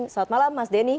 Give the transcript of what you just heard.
selamat malam mas denny